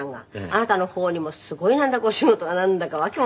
あなたの方にもすごいなんだかお仕事がなんだか訳も。